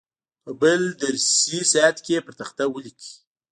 په بل درسي ساعت کې یې پر تخته ولیکئ.